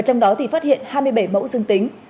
trong đó thì phát hiện hai mươi bảy mẫu dương tính